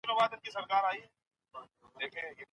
یوه لوبه وکړئ یا یو ټسټ ورکړئ.